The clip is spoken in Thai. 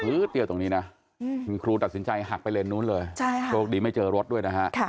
อื้อเตี๋ยวตรงนี้นะคุณครูตัดสินใจหักไปเลนส์นู้นเลย